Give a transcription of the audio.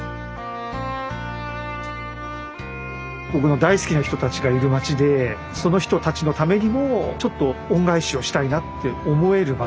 僕の大好きな人たちがいる街でその人たちのためにもちょっと恩返しをしたいなって思える街。